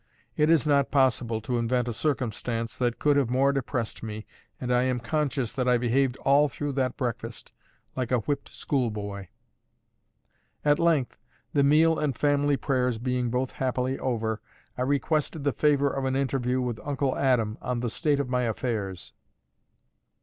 It is not possible to invent a circumstance that could have more depressed me; and I am conscious that I behaved all through that breakfast like a whipt schoolboy. At length, the meal and family prayers being both happily over, I requested the favour of an interview with Uncle Adam on "the state of my affairs."